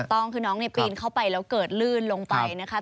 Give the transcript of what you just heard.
ถูกต้องคือน้องปีนเข้าไปแล้วเกิดลื่นลงไปนะคะ